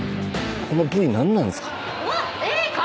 このＶ何なんすか？